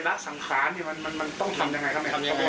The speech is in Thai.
รักสังขารมันต้องทำยังไงครับ